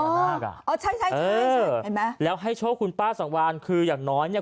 อ๋อใช่ใช่ใช่เออเออแล้วให้โชคคุณป้าสังวานคืออย่างน้อยเนี่ย